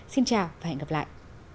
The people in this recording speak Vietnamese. xin chào và hẹn gặp lại